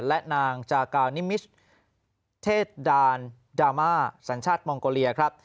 และนางจากานิมิชเทศดานดราม่าสัญชาติมองโกเลียครับ